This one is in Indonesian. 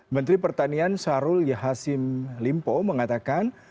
menteri pertanian sarul yahasim limpo mengatakan